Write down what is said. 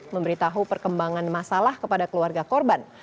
memberitahu perkembangan masalah kepada keluarga korban